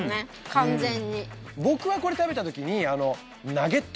完全に僕はこれ食べた時にあ！